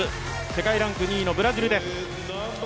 世界ランク２位のブラジルです。